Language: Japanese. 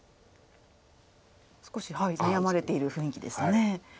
少し悩まれてる雰囲気ですね。